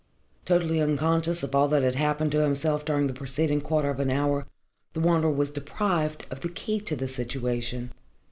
Totally unconscious of all that had happened to himself during the preceding quarter of an hour, the Wanderer was deprived of the key to the situation.